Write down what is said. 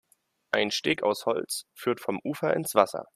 Ein Steg aus Holz führt vom Ufer ins Wasser.